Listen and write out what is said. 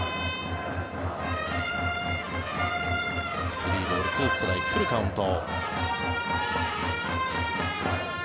３ボール２ストライクフルカウント。